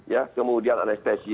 ya kemudian anestesi